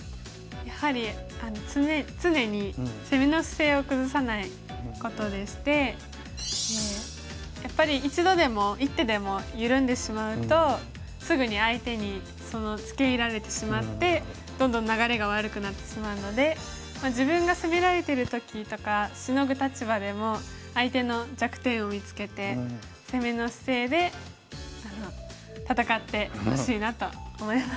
やはり常に攻めの姿勢を崩さないことでしてやっぱり一度でも一手でも緩んでしまうとすぐに相手につけいられてしまってどんどん流れが悪くなってしまうので自分が攻められてる時とかシノぐ立場でも相手の弱点を見つけて攻めの姿勢で戦ってほしいなと思います。